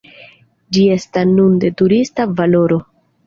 Ĝi estas nun de turista valoro.